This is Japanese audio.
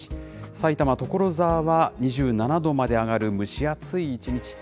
埼玉・所沢は２７度まで上がる蒸し暑い一日。